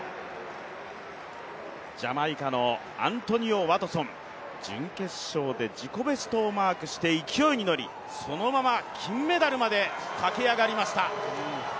ジャマイカのアントニオ・ワトソン準決勝で自己ベストをマークして勢いに乗り、そのまま金メダルまで駆け上がりました。